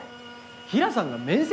平良さんが面接？